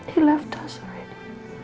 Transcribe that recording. dia sudah meninggalkan kita